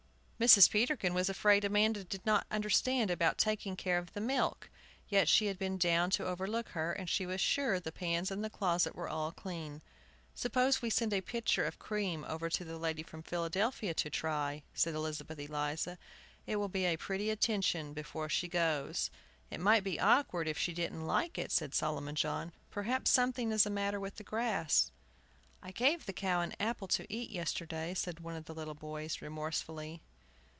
Mrs. Peterkin was afraid Amanda did not under stand about taking care of the milk; yet she had been down to overlook her, and she was sure the pans and the closet were all clean. "Suppose we send a pitcher of cream over to the lady from Philadelphia to try," said Elizabeth Eliza; "it will be a pretty attention before she goes." "It might be awkward if she didn't like it," said Solomon John. "Perhaps something is the matter with the grass." "I gave the cow an apple to eat yesterday," said one of the little boys, remorsefully.